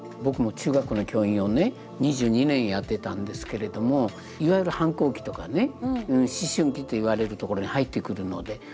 僕も中学校の教員をね２２年やってたんですけれどもいわゆる反抗期とかね思春期といわれるところに入ってくるので。